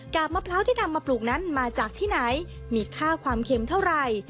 มะพร้าวที่นำมาปลูกนั้นมาจากที่ไหนมีค่าความเค็มเท่าไหร่